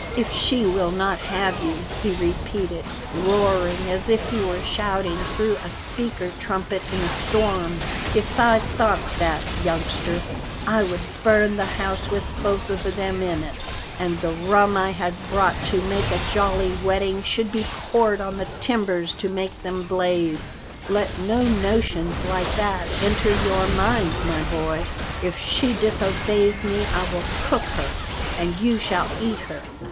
If she will not have you," he repeated, roaring as if he were shouting through a speaking trumpet in a storm, "if I thought that, youngster, I would burn the house with both of them in it, and the rum I had bought to make a jolly wedding should be poured on the timbers to make them blaze. Let no notions like that enter your mind, my boy. If she disobeys me, I will cook her and you shall eat her.